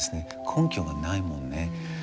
根拠がないもんね。